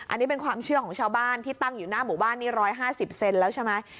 อันนี้เป็นความเชื่อของชาวบ้านที่ตั้งอยู่หน้าหมู่บ้านนี้๑๕๐เซนแล้วใช่ไหม